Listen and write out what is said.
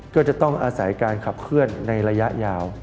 ก็จะต้องอาศัยการขับเคลื่อนในระยะยาว